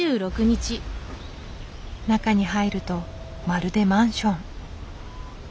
中に入るとまるでマンション。